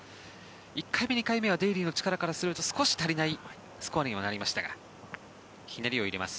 １回目、２回目はデーリーの力からすると少し足りないスコアにはなりましたがひねりを入れます。